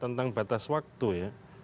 tentang batas waktu ya